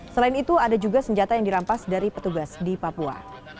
selain itu ada juga senjata yang dirampas dari petugas di papua